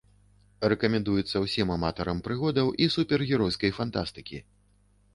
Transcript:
Рэкамендуецца ўсім аматарам прыгодаў і супергеройскай фантастыкі.